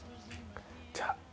じゃあ。